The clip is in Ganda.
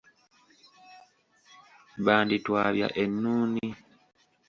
Banditwabya ennuuni.